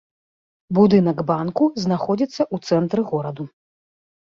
Будынак банку знаходзіцца ў цэнтры гораду.